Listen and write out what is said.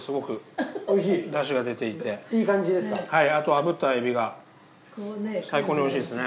はいあと炙った海老が最高においしいですね。